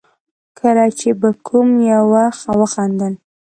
کله چې به کوم يوه وخندل.